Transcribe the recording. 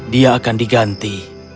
dia akan diganti